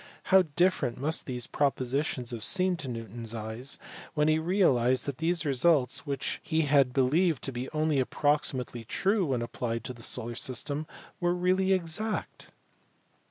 How different must these propositions have seemed to Newton s eyes when he realized that these results, which he had believed to be only approximately true when applied to the solar system, were really exact